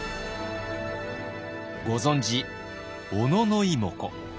ご存じ小野妹子。